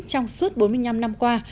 trong suốt bốn mươi năm năm qua